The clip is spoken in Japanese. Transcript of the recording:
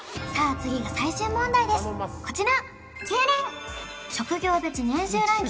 次が最終問題ですこちら！